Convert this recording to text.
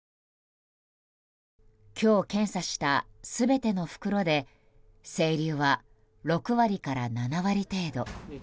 今日、検査した全ての袋で整粒は６割から７割程度。